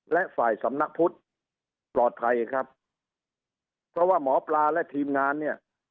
และฝ่ายสำนักพุทธปลอดภัยครับเพราะว่าหมอปลาและทีมงานเนี่ย